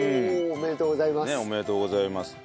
おめでとうございます。